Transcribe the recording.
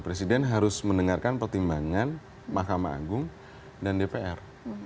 presiden harus mendengarkan pertimbangan mahkamah agung dan dpr